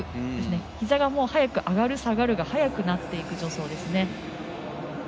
ひざが速く上がる下がるが速くなっていく、助走ですね。